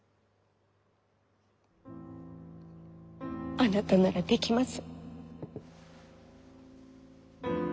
あなたならできます。